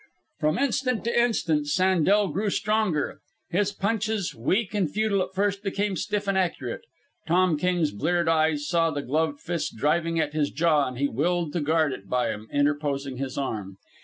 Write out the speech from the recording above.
From instant to instant Sandel grew stronger. His punches, weak and futile at first, became stiff and accurate. Tom King's bleared eyes saw the gloved fist driving at his jaw, and he willed to guard it by interposing his arm.